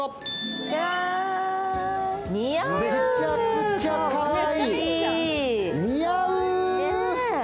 めちゃくちゃかわいい、似合う。